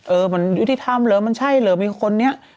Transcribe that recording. เออมันยุติธรรมเหรอมันใช่เหรอมีคนนี้